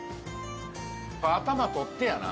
頭取ってやな。